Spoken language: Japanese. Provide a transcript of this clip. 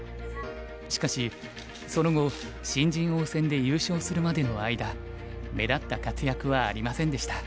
しかしその後新人王戦で優勝するまでの間目立った活躍はありませんでした。